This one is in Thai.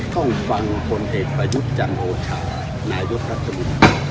ต้องฟังคนเหตุประยุทธจันโฌชานายุทธรรมดิ์